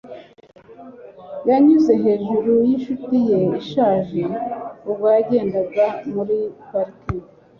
Yanyuze hejuru yinshuti ye ishaje ubwo yagendaga muri parike.